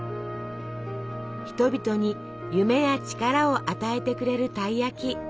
人々に夢や力を与えてくれるたい焼き。